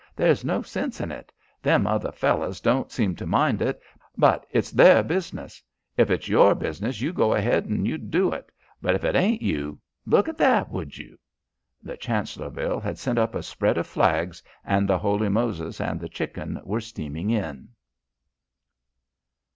There's no sense in it. Them other fellows don't seem to mind it, but it's their business. If it's your business, you go ahead and do it, but if it ain't, you look at that, would you!" The Chancellorville had sent up a spread of flags, and the Holy Moses and the Chicken were steaming in.